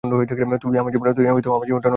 তুই আমার জীবনটা নষ্ট করেছিস!